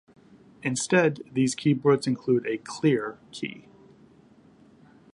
Instead, these keyboards include a "Clear" key.